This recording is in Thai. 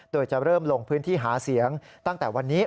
โดยจะเริ่มลงพื้นที่หาเสียงตั้งแต่วันนี้